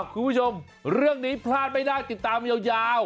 คุณผู้ชมเรื่องนี้พลาดไม่ได้ติดตามยาว